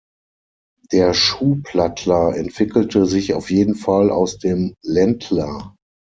Der Schuhplattler entwickelte sich auf jeden Fall aus dem Ländler.